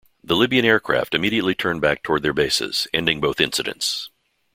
The Libyan aircraft immediately turned back toward their bases, ending both incidents.